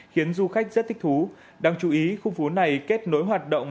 khiến du khách rất thích thú đáng chú ý khu phố này kết nối hoạt động